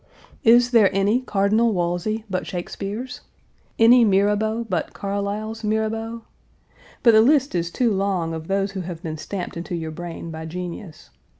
Is there any Cardinal Wolsey but Shakespeare's? any Mirabeau Page 280 but Carlyle's Mirabeau? But the list is too long of those who have been stamped into your brain by genius.